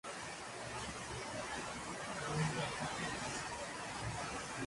Al final los Agentes Salen de la Mansión dando por terminado el caso.